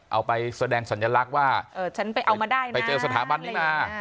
เอาไปแสดงสัญลักษณ์ว่าไปเจอสถาบันนี้มา